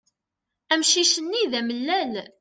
Amcic-nni d amellal.